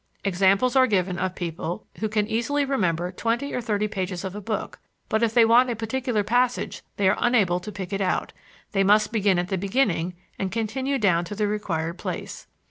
Examples are given of people who can easily remember twenty or thirty pages of a book, but if they want a particular passage they are unable to pick it out they must begin at the beginning and continue down to the required place.